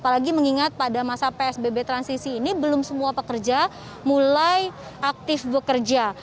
di mana psbb transisi ini belum semua pekerja mulai aktif bekerja